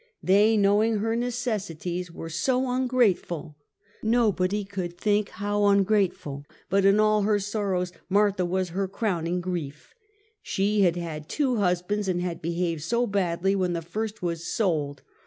They, knowing her necessities, were so ungrateful! — nobody could think how ungrate ful; but in all her sorrows, Martha was her crowning grief. She had had two husbands, and had behaved so badly when the first was sold.